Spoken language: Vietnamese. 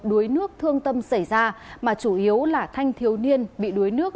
đuối nước thương tâm xảy ra mà chủ yếu là thanh thiếu niên bị đuối nước